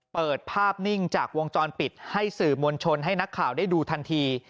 เปิดภาพนิ่งจากวงจรปิดให้สื่อมวลชนให้นักข่าวได้ดูทันที